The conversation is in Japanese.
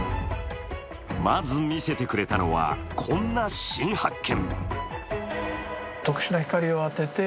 まず見せてくれたのは、こんな新発見。